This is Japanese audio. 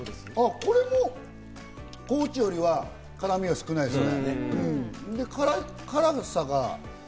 これも高知よりは辛みが少ないですね。